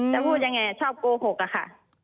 จะพูดอย่างไรชอบโกหกค่ะ